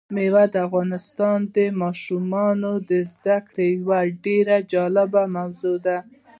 مېوې د افغان ماشومانو د زده کړې یوه ډېره جالبه موضوع ده.